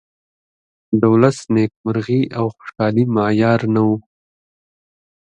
د ولس نیمکرغي او خوشالي معیار نه ؤ.